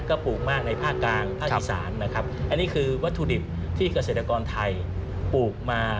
ก็ปลูกมากในภาคกลางภาคอีสานนะครับอันนี้คือวัตถุดิบที่เกษตรกรไทยปลูกมา